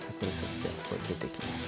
出てきます。